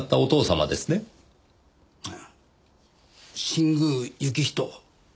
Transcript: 新宮行人。